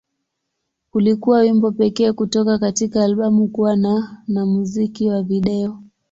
Ulikuwa wimbo pekee kutoka katika albamu kuwa na na muziki wa video.